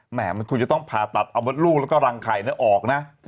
หมายมันควรจะต้องผ่าตัดเอามดลูกแล้วก็รังไข่ออกนะ